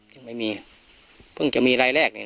ยังไม่มีเพิ่งจะมีรายแรกเนี่ย